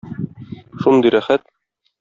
Шундый рәхәт.